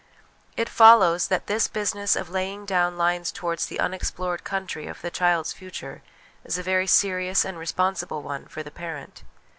It follows that this business of laying down lines to wards the unexplored country of the child's future is a very serious and responsible one for the parent.